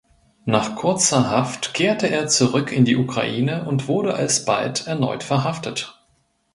Nach kurzer Haft kehrte er zurück in die Ukraine und wurde alsbald erneut verhaftet.